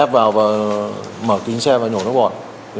và trịnh thịnh bốn mươi bốn tuổi